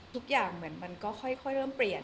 เหมือนมันก็ค่อยเริ่มเปลี่ยน